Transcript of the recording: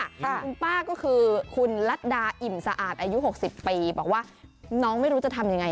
คุณป้าก็คือคุณลัดดาอิ่มสะอาดอายุ๖๐ปีบอกว่าน้องไม่รู้จะทำยังไง